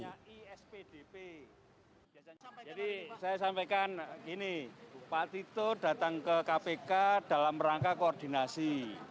jadi saya sampaikan gini pak tito datang ke kpk dalam rangka koordinasi